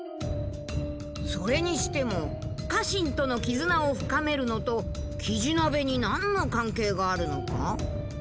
それにしても家臣との絆を深めるのとキジ鍋に何の関係があるのか？